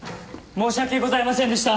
申し訳ございませんでした。